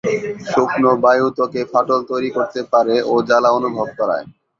শুকনো বায়ু ত্বকে ফাটল তৈরী করতে পারে ও জ্বালা অনুভব করায়।